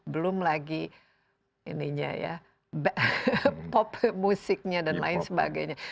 belum lagi pop musiknya dan lain sebagainya